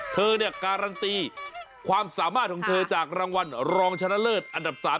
เธอเนี่ยการันตีความสามารถของเธอจากรางวัลรองชนะเลิศอันดับ๓